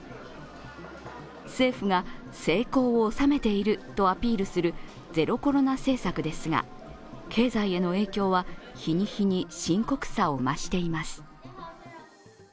政府が成功を収めているとアピールするゼロコロナ政策ですが経済への影響は日に日に深刻さを増しています。